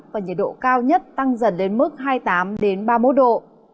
và nhiệt độ cao nhất tăng dần lên mức hai mươi tám ba mươi một độ